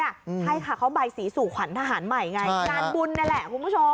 ใช่ค่ะเขาใบสีสู่ขวัญทหารใหม่ไงงานบุญนี่แหละคุณผู้ชม